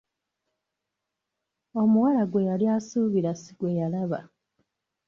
Omuwala gwe yali asuubira si gwe yalaba!